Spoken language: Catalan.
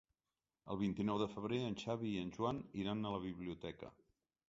El vint-i-nou de febrer en Xavi i en Joan iran a la biblioteca.